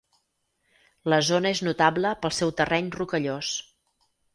La zona és notable pel seu terreny rocallós.